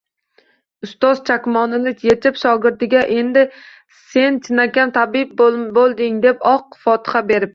Ustoz chakmonini yechib, shogirdiga, endi sen chinakam tabib bo‘lding, deb oq fotiha beribdi